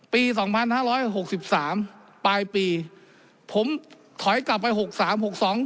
สองพันห้าร้อยหกสิบสามปลายปีผมถอยกลับไปหกสามหกสอง